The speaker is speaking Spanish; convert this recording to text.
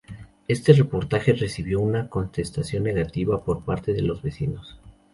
Este reportaje recibió una contestación negativa por parte de los vecinos.